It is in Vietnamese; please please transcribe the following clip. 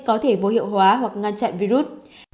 có thể vô hiệu hóa hoặc ngăn chặn virus